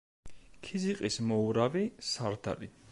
ქიზიყის მოურავი, სარდალი.